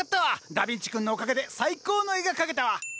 ダビンチ君のおかげで最高の絵が描けたわ！